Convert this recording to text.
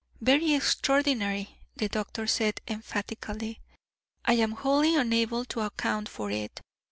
"Very extraordinary," the doctor said, emphatically. "I am wholly unable to account for it.